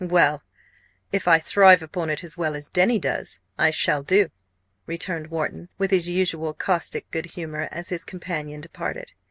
"Well, if I thrive upon it as well as Denny does, I shall do!" returned Wharton, with his usual caustic good humour, as his companion departed.